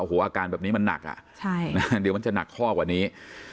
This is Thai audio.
โอ้โหอาการแบบนี้มันหนักเดี๋ยวมันจะหนักข้อกว่านี้